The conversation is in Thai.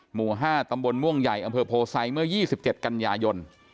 หมู่๕ตำบลม่วงใหญ่อำเภอโพไซเมื่อ๒๗กันยายน